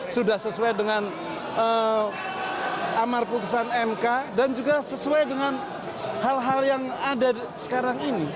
sudah sesuai dengan amar putusan mk dan juga sesuai dengan hal hal yang ada sekarang ini